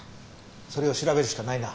それを調べるしかないな。